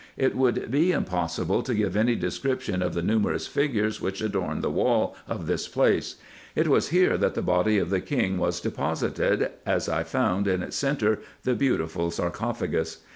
It would be impossible to 246 RESEARCHES AND OPERATIONS give any description of the numerous figures, which adorn the wall of this place. It was here that the body of the king was depo sited, as I found in its centre the beautiful sarcophagus.